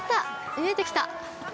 見えてきた。